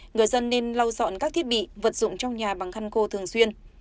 người dân nên lau dọn các thiết bị vật dụng trong nhà bằng khăn khô thường xuyên